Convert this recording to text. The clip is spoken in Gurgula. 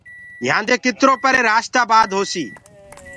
يهآندي ڪترو پري رآشدآبآد هوسي